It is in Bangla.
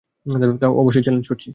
অবশ্যই চ্যালেঞ্জ করছি।